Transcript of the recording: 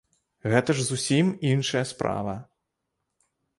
Гэта ж зусім іншая справа.